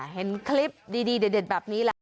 เห็นคลิปดีเด็ดแบบนี้แล้ว